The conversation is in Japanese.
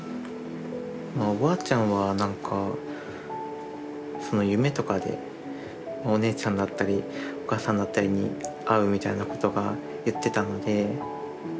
まあおばあちゃんは何か夢とかでお姉ちゃんだったりお母さんだったりに会うみたいなことは言ってたので。